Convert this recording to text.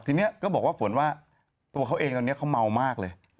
ทีนี้ก็บอกว่าฝนว่าตัวเขาเองตอนนี้เขาเมามากเลย